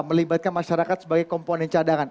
melibatkan masyarakat sebagai komponen cadangan